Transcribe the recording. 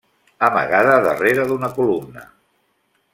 Amagada darrere d’una columna.